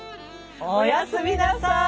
おやすみなさい。